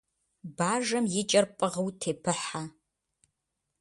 Бажэм и кӏэр пӏыгъыу тепыхьэ.